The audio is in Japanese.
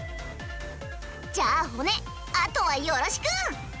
じゃあ骨あとはよろしく！